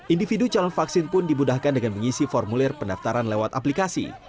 individu calon vaksin pun dimudahkan dengan mengisi formulir pendaftaran lewat aplikasi